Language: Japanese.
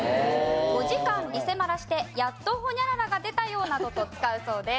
５時間リセマラしてやっとホニャララが出たよなどと使うそうです。